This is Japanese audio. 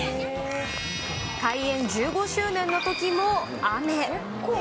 開園１５周年のときも雨。